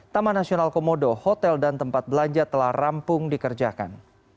taman nasional komodo hotel dan tempat belanja telah rampung dikerjakan